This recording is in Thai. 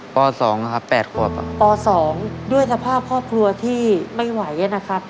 ป่าวสองอะครับแปดครบป่าวสองด้วยสภาพครอบครัวที่ไม่ไหวนะครับ